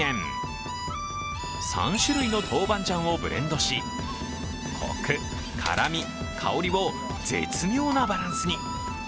３種類の豆板醤をブレンドしコク、辛み、香りを絶妙なバランスに。